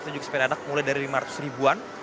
dan juga sepeda anak mulai dari lima ratus ribuan